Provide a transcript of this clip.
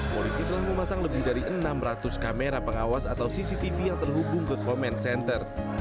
polisi telah memasang lebih dari enam ratus kamera pengawas atau cctv yang terhubung ke comment center